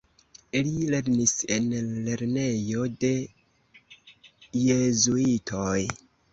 Li lernis en lernejo de jezuitoj.